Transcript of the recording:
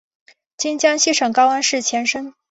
今江西省高安市前身。